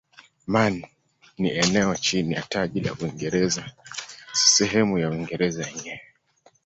Man ni eneo chini ya taji la Uingereza si sehemu ya Uingereza yenyewe.